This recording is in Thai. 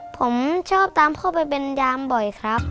ผมชอบตามพ่อไปเป็นยามบ่อยครับ